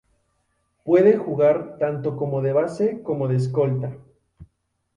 Puede jugar tanto como de base como de escolta.